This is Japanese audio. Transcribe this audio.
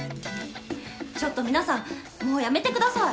ちょっと皆さんもうやめてください